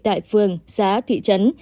tại phường xã thị trấn